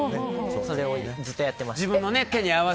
それをずっとやってました。